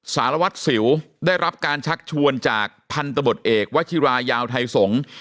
สารวัตรสิวได้รับการชักชวนจากพันธบทเอกวชิรายาวไทยสงฆ์